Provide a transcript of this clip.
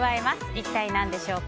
一体何でしょうか？